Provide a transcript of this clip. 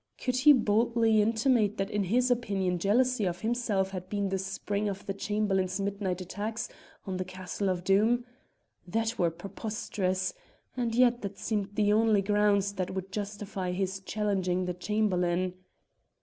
Could he boldly intimate that in his opinion jealousy of himself had been the spring of the Chamberlain's midnight attacks on the castle of Doom? That were preposterous! And yet that seemed the only grounds that would justify his challenging the Chamberlain.